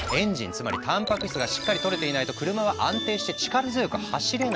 つまりたんぱく質がしっかりとれていないと車は安定して力強く走れない。